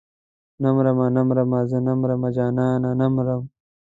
نه مرمه نه مرمه زه نه مرمه جانانه نه مرم.